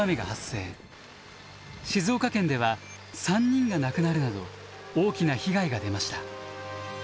静岡県では３人が亡くなるなど大きな被害が出ました。